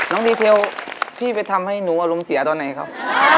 ดีเทลพี่ไปทำให้หนูอารมณ์เสียตอนไหนครับ